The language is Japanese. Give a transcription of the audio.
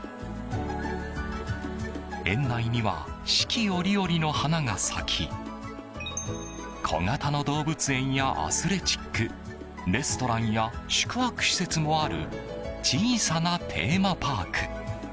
園内には四季折々の花が咲き小型の動物園やアスレチックレストランや宿泊施設もある小さなテーマパーク。